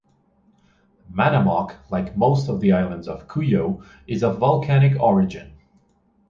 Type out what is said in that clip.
Manamoc, like most of the islands of Cuyo, is of volcanic origin.